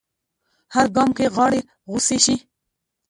هر ګام کې غاړې غوڅې شي